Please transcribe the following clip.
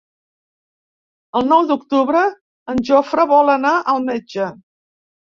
El nou d'octubre en Jofre vol anar al metge.